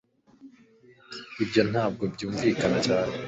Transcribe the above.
ibyo ntabwo byumvikana cyane